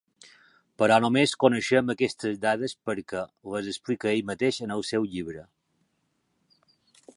Però només coneixem aquestes dades perquè les explica ell mateix en el seu llibre.